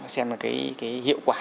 xem là cái hiệu quả